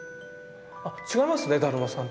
あっ違いますね「だるまさん」と。